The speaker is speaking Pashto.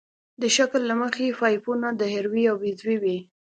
د شکل له مخې پایپونه دایروي او بیضوي وي